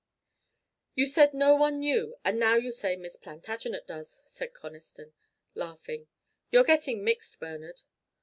"You said no one knew, and now you say Miss Plantagenet does," said Conniston, laughing. "You're getting mixed, Bernard.